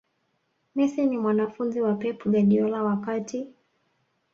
messi ni mwanafunzi wa pep guardiola wakati